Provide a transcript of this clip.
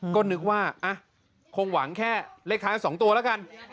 ก็นึกว่าคงหวังแค่เลขท้าย๒ตัวแล้วกัน